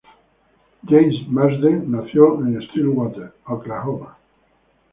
James Marsden nació en Stillwater, Oklahoma.